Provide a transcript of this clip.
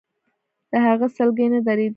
د هغه سلګۍ نه درېدلې.